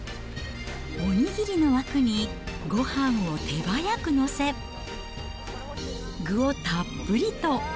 お握りの枠にごはんを手早く載せ、具をたっぷりと。